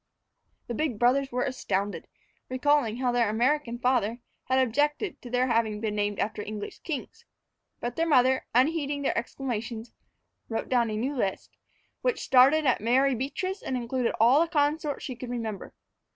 The big brothers were astounded, recalling how their American father had objected to their having been named after English kings. But their mother, unheeding their exclamations, wrote down a new list, which started at Mary Beatrice and included all the consorts she could remember.